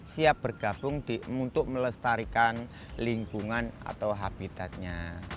siap bergabung untuk melestarikan lingkungan atau habitatnya